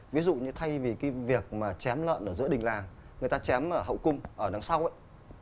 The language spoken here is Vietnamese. ví dụ như thay vì cái việc mà chém lợn ở giữa đình làng người ta chém ở hậu cung ở đằng sau ấy